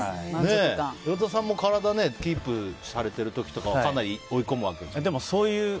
岩田さんも体キープされてるときは体を追い込むわけですか？